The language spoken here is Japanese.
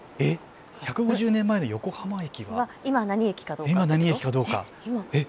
１５０年前の横浜駅は今、何駅かどうか。